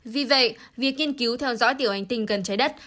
vì vậy việc nghiên cứu theo dõi tiểu hành tinh gần trái đất